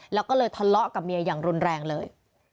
แล้วก็เลยทะเลาะกับเมียอย่างรุนแรงเลย